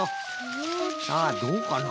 さあどうかな？